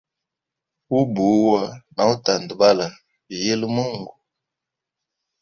Ubuwa na utandabala biyile mungu.